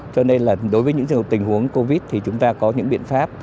cho nên là đối với những trường hợp tình huống covid thì chúng ta có những biện pháp